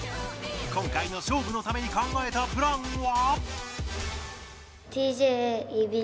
今回の勝負のために考えたプランは。